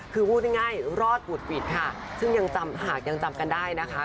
คือพูดง่ายรอดหวุดหวิดค่ะซึ่งยังจำหากยังจำกันได้นะคะ